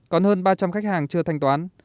còn hơn ba trăm linh khách hàng chưa thanh toán